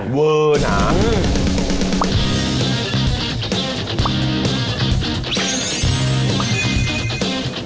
เยอะนะ